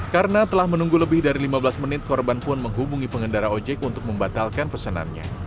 karena telah menunggu lebih dari lima belas menit korban pun menghubungi pengendara ojek untuk membatalkan pesanannya